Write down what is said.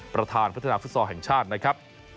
ประธานพัฒนาฟุตซอลแห่งชาตินะครับ